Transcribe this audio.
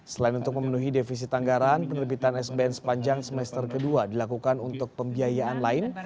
selain untuk memenuhi defisit anggaran penerbitan sbn sepanjang semester kedua dilakukan untuk pembiayaan lain